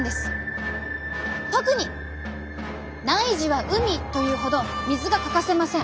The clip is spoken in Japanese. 特に内耳は海というほど水が欠かせません。